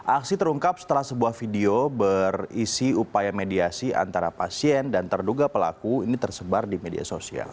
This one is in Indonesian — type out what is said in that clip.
aksi terungkap setelah sebuah video berisi upaya mediasi antara pasien dan terduga pelaku ini tersebar di media sosial